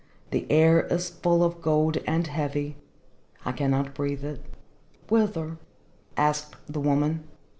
"The air is full of gold and heavy. I cannot breathe it." "Whither?" asked the woman.